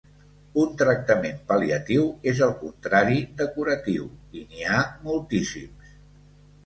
Un tractament pal·liatiu és el contrari de curatiu, i n’hi ha moltíssims.